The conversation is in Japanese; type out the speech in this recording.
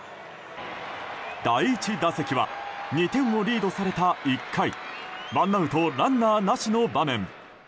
第１打席は２点をリードされた１回ワンアウトランナーなしの場面。